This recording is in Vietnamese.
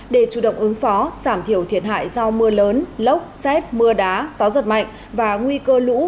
để chủ động ứng phó giảm thiểu thiệt hại do mưa lớn lốc xét mưa đá gió giật mạnh và nguy cơ lũ